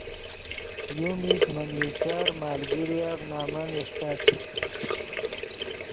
یو میش من یو چر مالگیریف نمن اݰٹت